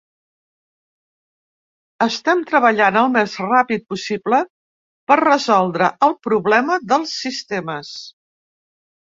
Estem treballant el més ràpid possible per resoldre el problema dels sistemes.